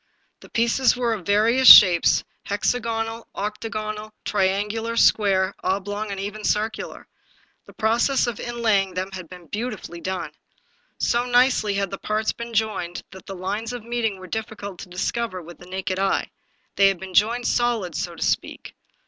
The pieces were of various shapes — hexagonal, octagonal, triangular, square, oblong, and even circular. The process of inlay ing them had been beautifully done. So nicely had the parts been joined that the lines of meeting were difficult to discover with the naked eye; they had been joined solid, so to speak.